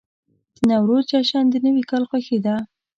د نوروز جشن د نوي کال خوښي ده.